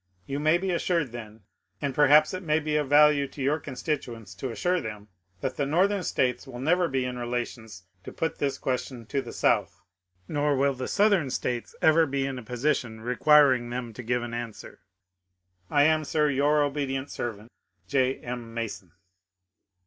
You may be assured, then, and perhaps it may be of value to your constituents to assure them, that the North em States will never be in relations to put this question to the South, nor will the Southern States ever be in a position requiring them to give an answer. I am, sir, your obedient servant, J. M. Mason.